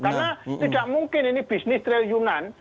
karena tidak mungkin ini bisnis trail yunan